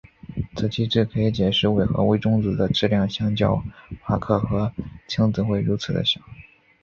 此机制可以解释为何微中子的质量相较夸克和轻子会如此地小。